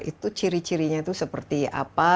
itu ciri cirinya itu seperti apa